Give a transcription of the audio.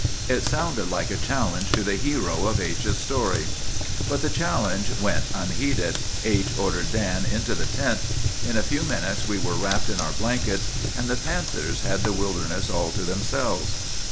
It sounded like a challenge to the hero of H——'s story. "But the challenge went unheeded. H—— ordered Dan into the tent. In a few minutes we were wrapped in our blankets, and the panthers had the wilderness all to themselves."